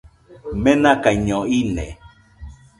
Menakaiño ine